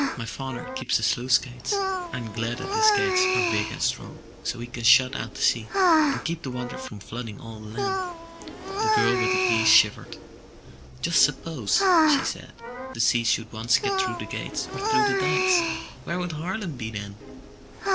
My father keeps the sluice gates. Fm glad his gates are big and strong, so he can shut out the sea, and keep the water from flooding all the land.*' The girl with the geese shivered. "Just suppose, she said, "the sea should once get through the gates or through the dikes! Where would Harlem be then?